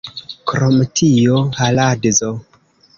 Krom tio haladzo!